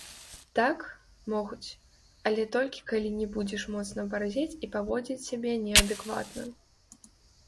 Так, могуць, але толькі калі не будзеш моцна барзець і паводзіць сябе неадэкватна.